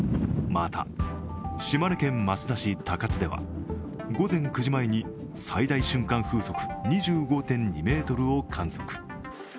また、島根県益田市高津では午前９時前に最大瞬間風速２５．２メートルを観測。